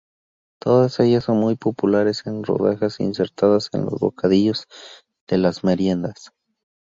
Todas ellas son muy populares en rodajas insertadas en los bocadillos de las meriendas.